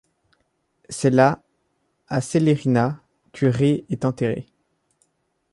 C'est là, à Celerina, que Rée est enterré.